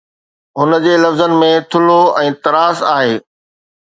هن جي لفظن ۾ ٿلهو ۽ نراس آهي.